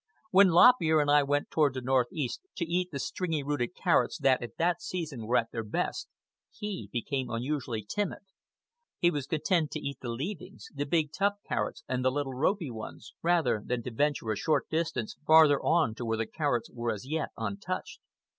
When Lop Ear and I went toward the north east to eat the stringy rooted carrots that at that season were at their best, he became unusually timid. He was content to eat the leavings, the big tough carrots and the little ropy ones, rather than to venture a short distance farther on to where the carrots were as yet untouched.